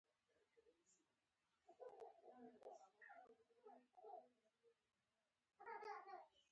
د واک او پاچاهۍ پر سر شخړو دوام وموند.